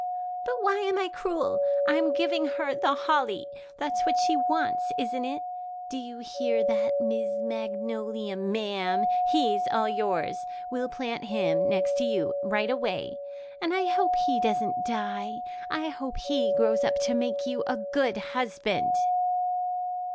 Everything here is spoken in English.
But why am I cruel? I'm giving her the holly. That's what she wants, isn't it? Do you hear that, Miss Magnolia, ma'am? He's all yours. We'll plant him next to you right away. And I hope he doesn't die. I hope he grows up to make you a good husband."